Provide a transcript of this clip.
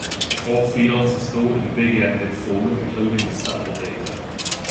All fields are stored in big-endian format, including the sample data.